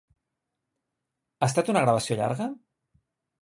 Ha estat una gravació llarga?